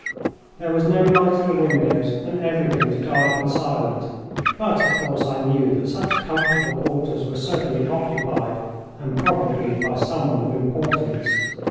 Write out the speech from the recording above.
There was no light in the windows, and everything was dark and silent, but, of course, I knew that such comfortable quarters were certainly occupied, and probably by someone of importance.